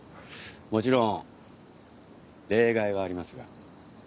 もちろん例外はありますが。